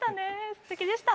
すてきでした！